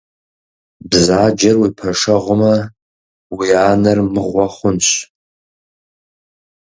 Бзаджэр уи пэшэгьумэ уи анэр мыгъуэ хъунщ.